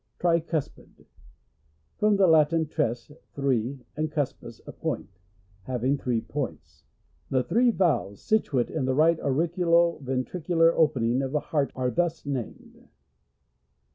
Tricuspid. — From the Latin, ires, three, and cuspis, a point — having three points. The three valves situate in the right auriculo ventri cular opening of the heart are thus named.